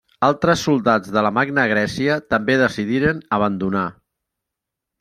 Altres soldats de la Magna Grècia també decidiren abandonar.